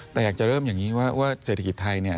แต่อยากจะเริ่มอย่างนี้ว่าเศรษฐกิจไทยเนี่ย